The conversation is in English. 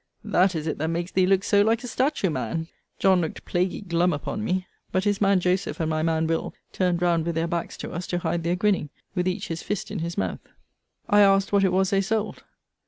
That is it that makes thee looks so like a statue, man. John looked plaguy glum upon me. But his man Joseph and my man Will. turned round with their backs to us, to hide their grinning, with each his fist in his mouth. I asked, what it was they sold?